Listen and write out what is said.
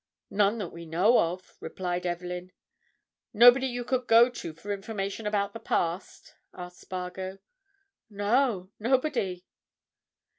"None that we know of," replied Evelyn. "Nobody you could go to for information about the past?" asked Spargo. "No—nobody!"